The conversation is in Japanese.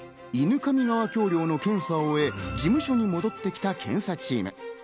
犬上川橋りょうの検査を終え、事務所に戻ってきた検査チーム。